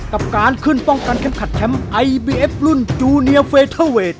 กับการขึ้นป้องกันเข้มขัดแชมป์ไอบีเอฟรุ่นจูเนียเฟเทอร์เวท